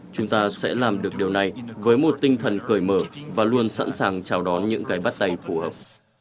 chúng ta sẽ làm được điều này với một tinh thần cởi mở và luôn sẵn sàng chào đón những cái bắt tay phù hợp